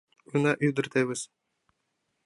Уна, ӱдыр тевыс!